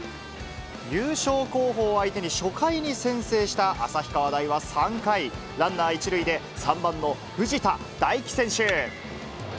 優勝候補を相手に初回に先制した旭川大は３回、ランナー１塁で３番の藤田大輝選手。